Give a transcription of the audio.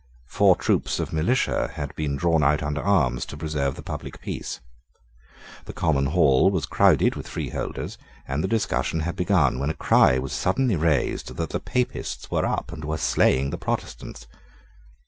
Four troops of militia had been drawn out under arms to preserve the public peace. The Common Hall was crowded with freeholders, and the discussion had begun, when a cry was suddenly raised that the Papists were up, and were slaying the Protestants.